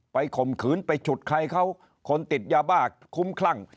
ข่มขืนไปฉุดใครเขาคนติดยาบ้าคุ้มคลั่ง